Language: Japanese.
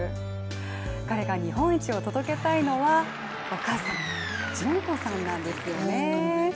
彼が日本一を届けたいのは、お母さんの淳子さんなんですよね。